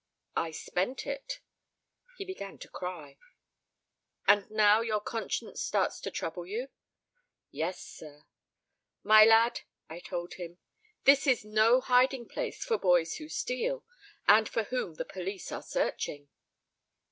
"I spent it." He began to cry. "And now your conscience starts to trouble you." "Yes, sir." "My lad," I told him, "this is no hiding place for boys who steal, and for whom the police are searching."